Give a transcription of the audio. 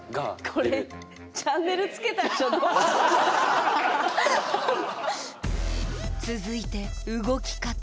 これ続いて動き方。